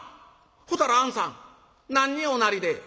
ほたらあんさん何におなりで？」。